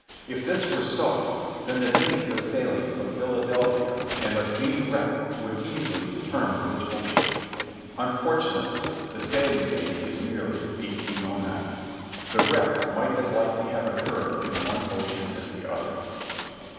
If this were so, then the dates of sailing from Philadelphia and of being wrecked would easily determine which ocean. Unfortunately, the sailing date is merely 1809. The wreck might as likely have occurred in one ocean as the other.